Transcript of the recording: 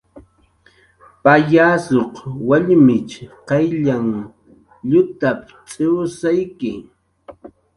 "Payasuq wallmich qayllanh llutap"" cx'iwsyawi"